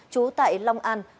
chú tại long an